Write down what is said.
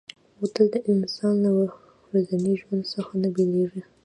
بوتل د انسان له ورځني ژوند څخه نه بېلېږي.